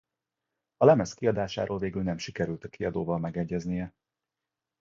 A lemez kiadásáról végül nem sikerült a kiadóval megegyeznie.